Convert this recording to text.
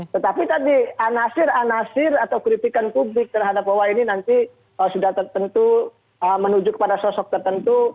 tetapi tadi anasir anasir atau kritikan publik terhadap bahwa ini nanti sudah tertentu menuju kepada sosok tertentu